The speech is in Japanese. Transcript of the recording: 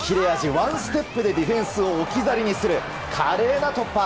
ワンステップでディフェンスを置き去りにする華麗な突破。